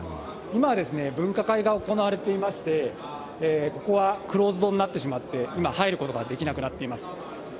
今は分科会が行われていまして、ここはクローズドになってしまって、今は入ることができなくなっています。